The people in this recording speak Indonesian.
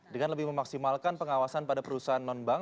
dengan lebih memaksimalkan pengawasan pada perusahaan non bank